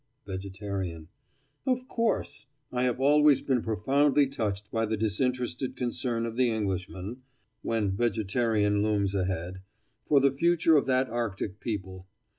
VEGETARIAN: Of course! I have always been profoundly touched by the disinterested concern of the Englishman (when vegetarianism looms ahead) for the future of that Arctic people.